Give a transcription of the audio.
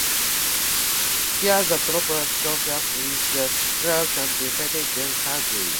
Here the troopers caught up with the Sioux and defeated them soundly.